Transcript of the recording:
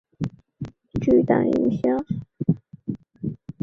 摩里斯的思想对创造论和原教旨主义基督教运动有巨大影响。